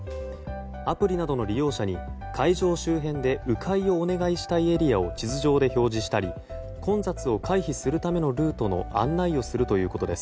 アプリなどの利用者に会場周辺で迂回をお願いしたいエリアを地図上で表示したり混雑を回避するためのルートの案内をするということです。